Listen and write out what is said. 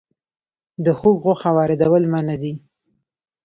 د خوګ غوښه واردول منع دي